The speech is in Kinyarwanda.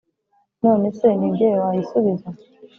none se ni jye wayisubiza,